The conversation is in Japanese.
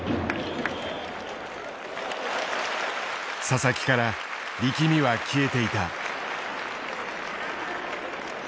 佐々木から力みは消えていた。